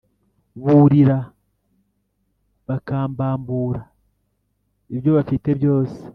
burira bakambambura ibyo bafite byose,